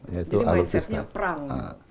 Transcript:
jadi mindsetnya perang